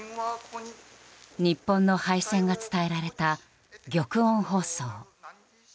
日本の敗戦が伝えられた玉音放送。